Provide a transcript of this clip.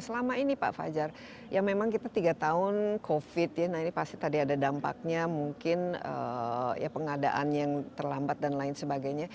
selama ini pak fajar ya memang kita tiga tahun covid ya nah ini pasti tadi ada dampaknya mungkin ya pengadaan yang terlambat dan lain sebagainya